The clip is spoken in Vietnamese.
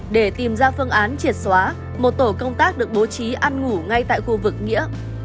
để tìm ra phương án triệt xóa một tổ công tác được bố trí ăn ngủ ngay tại khu vực nghĩa